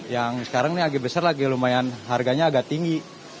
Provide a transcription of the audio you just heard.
yang sekarang ini agak besar lagi lumayan harganya agak tinggi